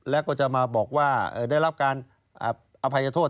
แล้วก็จะมาบอกว่าได้รับการอภัยโทษ